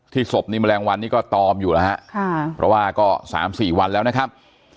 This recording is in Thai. ศพนี้แมลงวันนี้ก็ตอมอยู่แล้วฮะค่ะเพราะว่าก็๓๔วันแล้วนะครับ